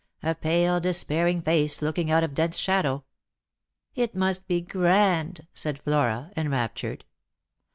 A pale despairing face looking out of dense shadow." " It must be grand," said Flora, enraptured.